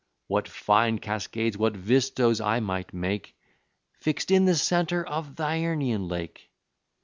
What fine cascades, what vistoes, might I make, Fixt in the centre of th' Iërnian lake!